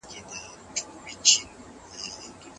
موږ خپل مسؤليت په سمه توګه ترسره کوو.